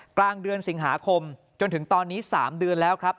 กลางเดือนสิงหาคมจนถึงตอนนี้๓เดือนแล้วครับ